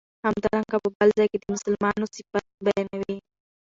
همدارنګه په بل ځای کی د مسلمانو صفت بیانوی